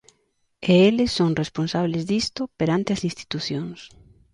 E eles son responsables disto perante as institucións.